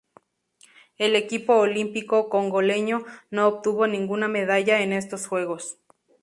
El equipo olímpico congoleño no obtuvo ninguna medalla en estos Juegos.